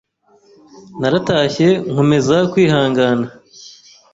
Naratashye nkomeza kwihangana